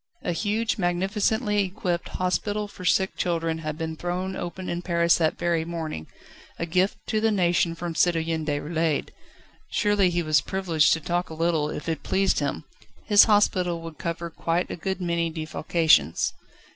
A huge, magnificently equipped hospital for sick children had been thrown open in Paris that very morning, a gift to the nation from Citoyen Déroulède. Surely he was privileged to talk a little, if it pleased him. His hospital would cover quite a good many defalcations.